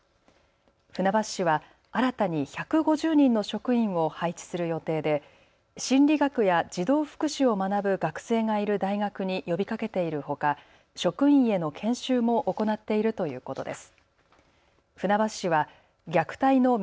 船橋市は新たに１５０人の職員を配置する予定で心理学や児童福祉を学ぶ学生がいる大学に呼びかけているほか職員への研修も行っているということです。